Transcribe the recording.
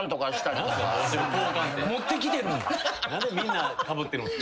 何でみんなかぶってるんすか。